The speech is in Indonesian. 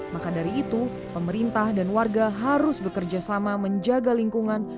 maka dari itu pemerintah dan warga harus bekerja sama menjaga lingkungan